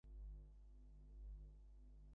এটা নিশ্চয়ই ওই বদমাশ ইঁদুর।